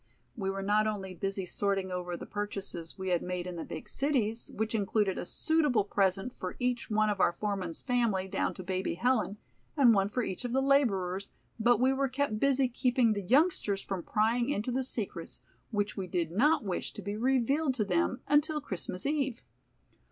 We were not only busy sorting over the purchases we had made in the big cities, which included a suitable present for each one of our foreman's family down to baby Helen, and one for each of the laborers, but we were kept busy keeping the youngsters from prying into the secrets which we did not wish to be revealed to them until Christmas Eve.